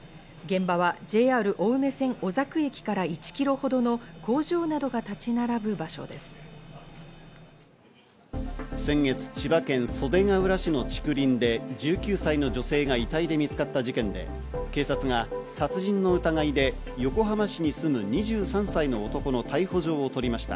現場はＪＲ青梅線・小作駅から１ｋｍほどの工場などが立ち並ぶ場先月、千葉県袖ケ浦市の竹林で１９歳の女性が遺体で見つかった事件で、警察が殺人の疑いで横浜市に住む２３歳の男の逮捕状を取りました。